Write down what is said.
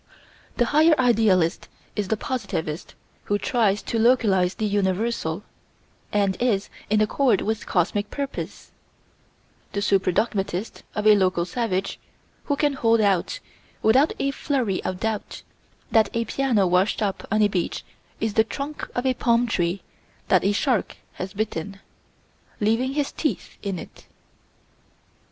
The higher idealist is the positivist who tries to localize the universal, and is in accord with cosmic purpose: the super dogmatist of a local savage who can hold out, without a flurry of doubt, that a piano washed up on a beach is the trunk of a palm tree that a shark has bitten, leaving his teeth in it.